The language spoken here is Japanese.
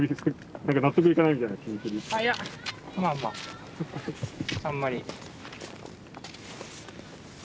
いやまあまああんまり。